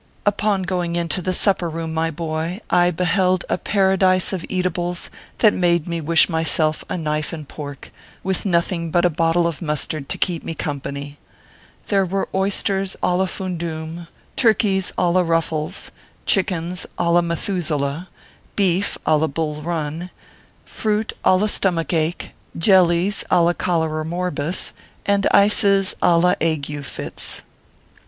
Upon going into the supper room, my boy, I be held a paradise of eatables that made me wish myself a knife and pork, with nothing but a bottle of mustard to keep me company. There were oysters d la fun dum; turkeys d la ruffles; chickens d la Mcthusaleh; beef d la Bull Run; fruit dlastumikake; jellies d la Kallararmorbus ; and ices d la aguefitz.